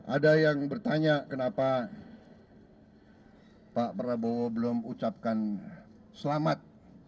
ada yang bertanya kenapa pak prabowo belum ucapkan selamat